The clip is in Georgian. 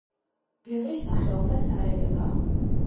ბევრი სახეობა სარეველაა.